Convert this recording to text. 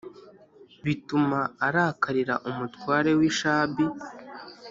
bituma arakarira umutware w'ishabi.